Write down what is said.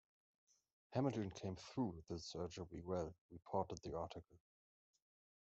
Hamilton came through the surgery well, reported the article.